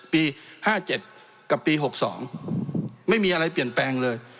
ปี๕๗กับปี๖๒ไม่มีอะไรเปลี่ยนแปลงเลย